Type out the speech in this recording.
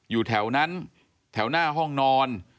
อยู่แถวนั้นแถวหน้าห้องนอน